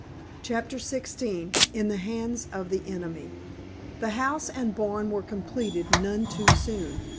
*CHAPTER XVI* *IN THE HANDS OF THE ENEMY* The house and barn were completed none too soon.